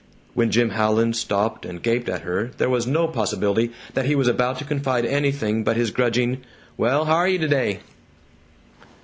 When Jim Howland stopped and gaped at her there was no possibility that he was about to confide anything but his grudging, "Well, haryuh t'day?"